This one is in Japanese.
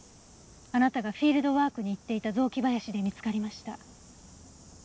あなたがフィールドワークに行っていた雑木林で見つかりました。